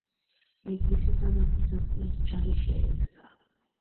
ეგრისისა და ბიზანტიის ჯარი შეერთდა.